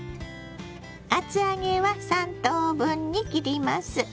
厚揚げは３等分に切ります。